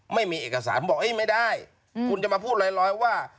ไม่มีเอกสารบอกไม่ได้คุณจะมาพูดลอยว่า